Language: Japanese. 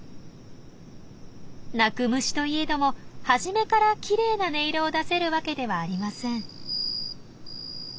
鳴く虫といえども初めからきれいな音色を出せるわけではありません。